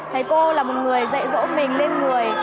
thầy cô là một người dạy dỗ mình lên người